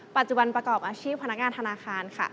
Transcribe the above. ปัจจุบันประกอบอาชีพพนักงานธนาคารค่ะ